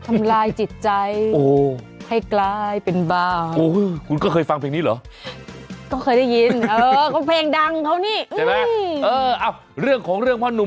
ก็เคยได้ยินเออก็เพลงดังเท่านี้อุ้ยใจไหม